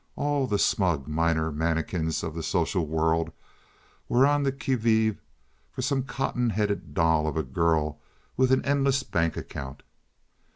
All the smug minor manikins of the social world were on the qui vive for some cotton headed doll of a girl with an endless bank account.